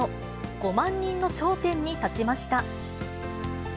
５万人の頂点に立ちました。